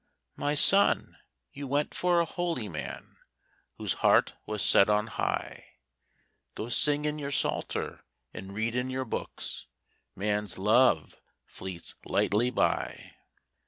'My son, you went for a holy man, Whose heart was set on high; Go sing in your psalter, and read in your books; Man's love fleets lightly by.'